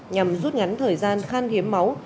nhằm rút ngắn thời gian khan hiếm máu